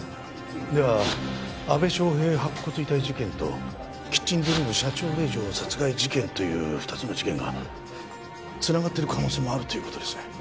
では阿部祥平白骨遺体事件とキッチンドリーム社長令嬢殺害事件という２つの事件が繋がってる可能性もあるっていう事ですね。